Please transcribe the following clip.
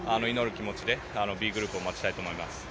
気持ちでＢグループを待ちたいと思います。